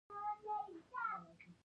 چا ته چي د مرګ سزا اورول شوې